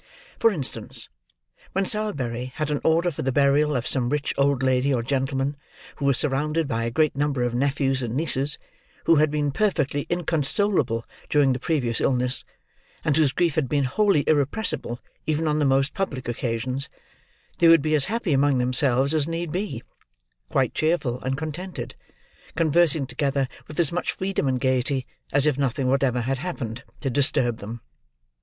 For instance; when Sowerberry had an order for the burial of some rich old lady or gentleman, who was surrounded by a great number of nephews and nieces, who had been perfectly inconsolable during the previous illness, and whose grief had been wholly irrepressible even on the most public occasions, they would be as happy among themselves as need be—quite cheerful and contented—conversing together with as much freedom and gaiety, as if nothing whatever had happened to disturb them.